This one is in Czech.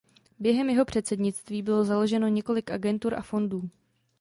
Během jeho předsednictví bylo založeno několik agentur a fondů.